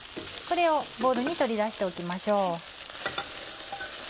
これをボウルに取り出しておきましょう。